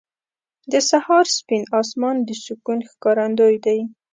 • د سهار سپین اسمان د سکون ښکارندوی دی.